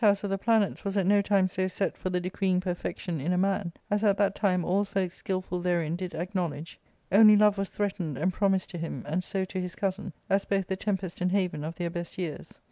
house of the planetst was at no time so set for the decreeing perfection in a man, as at that time all folks skilful therein did acknowledge ; only love was threatened and promised to him, and so to his cousin, as both the tempest and haven of their best yeai*s.